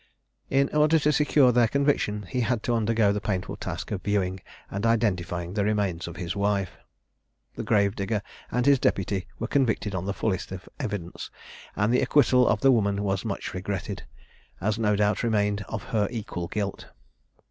In order to secure their conviction, he had to undergo the painful task of viewing and identifying the remains of his wife. The grave digger and his deputy were convicted on the fullest evidence; and the acquittal of the woman was much regretted, as no doubt remained of her equal guilt.